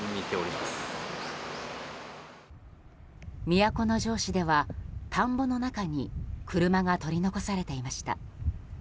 都城市では、田んぼの中に車が取り残されていました。